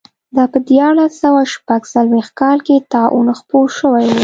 دا په دیارلس سوه شپږ څلوېښت کال کې طاعون خپور شوی و.